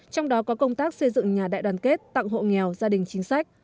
trong đó có công tác xây dựng nhà đại đoàn kết tặng hộ nghèo gia đình chính sách